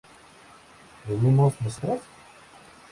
¿bebimos nosotros?